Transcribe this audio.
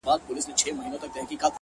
سترگي دي پټي كړه ويدېږمه زه،